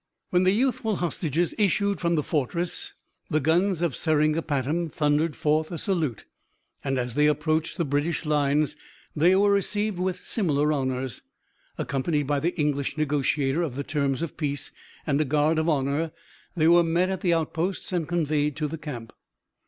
When the youthful hostages issued from the fortress the guns of Seringapatam thundered forth a salute; and as they approached the British lines they were received with similar honors. Accompanied by the English negotiator of the terms of peace and a guard of honour, they were met at the outposts and conveyed to the camp.